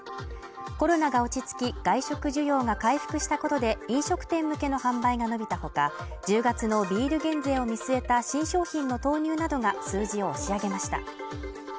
コロナが落ち着き、外食需要が回復したことで、飲食店向けの販売が伸びたほか、１０月のビール減税を見据えた新商品の投入などが数字を押し上げました。